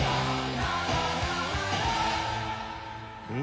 ・うん？